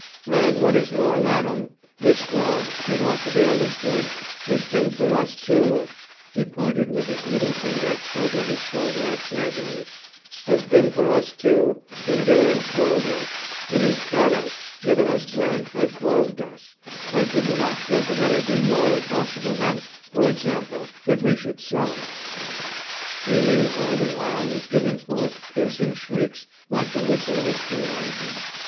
"And, what is more, madam, that dog, it ought to be understood, has been for us two" he pointed with his middle finger over his shoulder at Sergey "has been for us two, feeder and clother. It has fed us, given us drink, and clothed us. I could not think of anything more impossible than, for example, that we should sell it." Trilly all the while was giving forth piercing shrieks like the whistle of a steam engine.